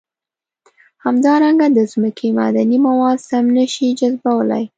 همدارنګه د ځمکې معدني مواد سم نه شي جذبولی.